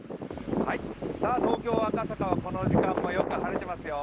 東京・赤坂は、この時間もよく晴れていますよ。